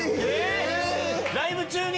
ライブ中に？